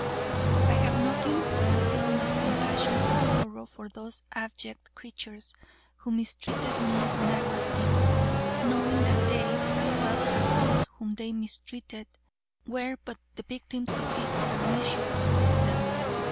I have nothing but a feeling of compassion and sorrow for those abject creatures who mistreated me when I was sick, knowing that they, as well as those whom they mistreated, were but the victims of this pernicious system.